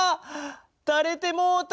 たれてもうた！